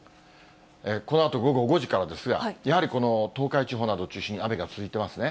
このあと午後５時からですが、やはりこの東海地方などを中心に雨が続いてますね。